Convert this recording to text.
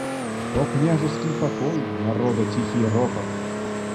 О княжеский покой, народа тихий ропот.